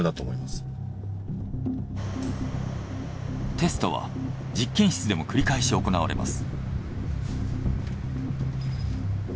テストは実験室でも繰り返し行われます。